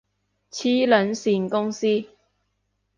黐撚線公司